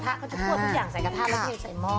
ถ้าเขาจะคั่วทุกอย่างใส่กระทะแล้วเทใส่หม้อ